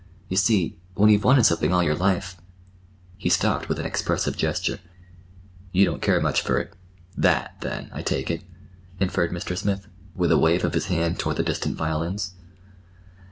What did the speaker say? "You see, when you've wanted something all your life—" He stopped with an expressive gesture. "You don't care much for—that, then, I take it," inferred Mr. Smith, with a wave of his hand toward the distant violins.